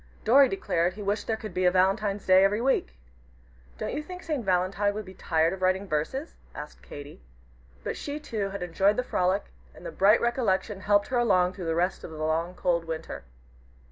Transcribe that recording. Dorry declared he wished there could be a Valentine's Day every week. "Don't you think St. Valentine would be tired of writing verses?" asked Katy. But she, too, had enjoyed the frolic, and the bright recollection helped her along through the rest of the long, cold winter.